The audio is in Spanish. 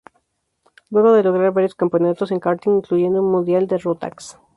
Luego de lograr varios campeonatos en karting, incluyendo un mundial de Rotax.